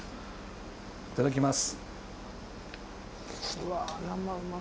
いただきます